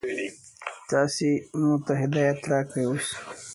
Surfing and windsurfing involve riding waves using a surfboard or sailboard respectively.